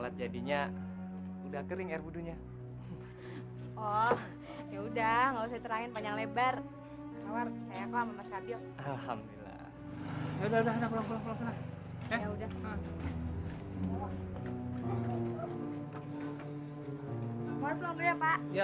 mulainya dari sekarang mas